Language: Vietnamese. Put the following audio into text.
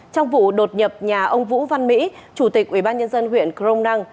trong vụ đột nhập nhà ông vũ văn mỹ chủ tịch ubnd huyện crong năng